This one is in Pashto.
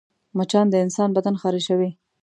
مچان د انسان بدن خارشوي